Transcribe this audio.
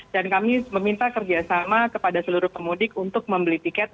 dan kami meminta kerjasama kepada seluruh pemudik untuk membeli tiket